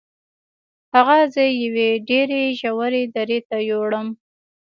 هغه زه یوې ډیرې ژورې درې ته یووړم.